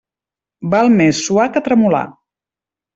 Val més suar que tremolar.